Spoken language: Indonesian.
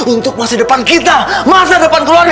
untuk masa depan kita masa depan keluarga